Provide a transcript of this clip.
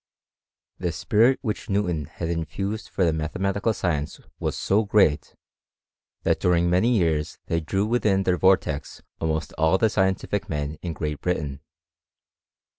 The spirit which Newton had infused for the ma lematical science was so great, that during many year* ley drew within their vortex almost all the scientific en in Great Britain.